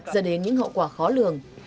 giờ đến những hậu quả khó lường